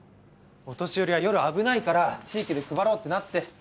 お年寄りは夜危ないから地域で配ろうってなって。